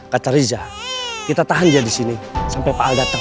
kata riza kita tahan dia disini sampai pak al dateng